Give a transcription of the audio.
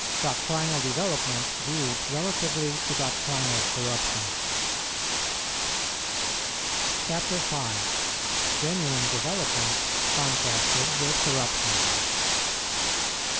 DOCTRINAL DEVELOPMENTS VIEWED RELATIVELY TO DOCTRINAL CORRUPTIONS. CHAPTER V. GENUINE DEVELOPMENTS CONTRASTED WITH CORRUPTIONS.